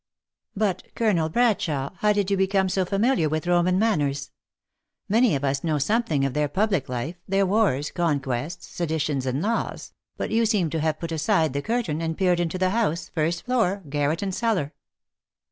?; "But, Colonel Bradshawe, how did you become so familiar with Roman manners ? Many of us know something of their public life, their wars, conquests, seditions and laws; but you seem to have put aside the curtain, and peered into the house, first floor, gar ret and cellar."